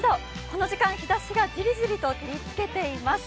この時間、日ざしがジリジリと照りつけています。